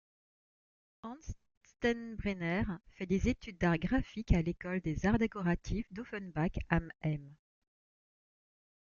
Hans Steinbrenner fait des études d’arts graphiques à l’École des arts décoratifs d’Offenbach-am-Main.